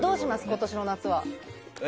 今年の夏は。